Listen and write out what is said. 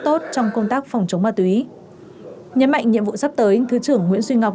tốt trong công tác phòng chống ma túy nhấn mạnh nhiệm vụ sắp tới thứ trưởng nguyễn duy ngọc